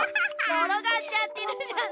ころがっちゃってるじゃない。